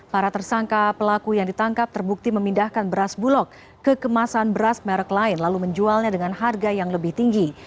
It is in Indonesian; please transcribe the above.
para tersangka pelaku yang ditangkap terbukti memindahkan beras bulog ke kemasan beras merek lain lalu menjualnya dengan harga yang lebih tinggi